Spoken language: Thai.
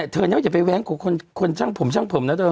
เธออย่าว่าไปแว้งผมช่างผมนะเธอ